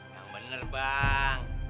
yang bener bang